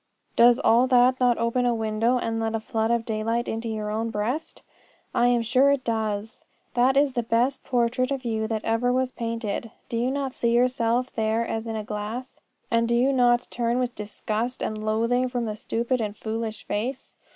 Does all that not open a window and let a flood of daylight into your own breast? I am sure it does. That is the best portrait of you that ever was painted. Do you not see yourself there as in a glass? And do you not turn with disgust and loathing from the stupid and foolish face?